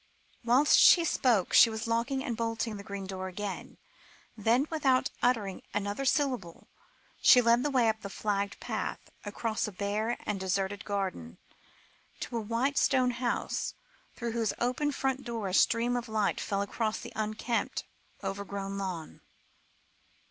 Whilst she spoke, she was locking and bolting the green door again; then, without uttering another syllable, she led the way up a flagged path, across a bare and deserted garden, to a white stone house, through whose open front door a stream of light fell across an unkempt, overgrown lawn.